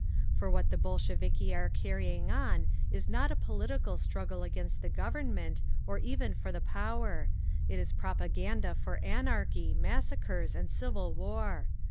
For what the Bolsheviki are carrying on is not a political struggle against the Government, or even for the power; it is propaganda for anarchy, massacres, and civil war.